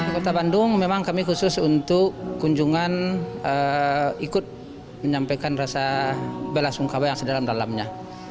kota bandung memang kami khusus untuk kunjungan ikut menyampaikan rasa bela sungkawa yang sedalam dalamnya